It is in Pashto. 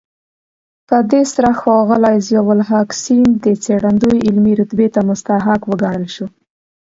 په دې سره ښاغلی ضياءالحق سیند د څېړندوی علمي رتبې مستحق وګڼل شو.